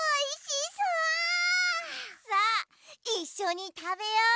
さあいっしょにたべよう！